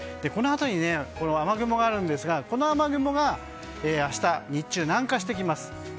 この辺りに、雨雲があるんですがこの雨雲が明日の日中に南下してきます。